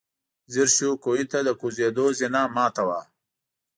ځير شو، کوهي ته د کوزېدو زينه ماته وه.